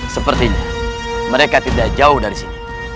sepertinya mereka tidak jauh dari sini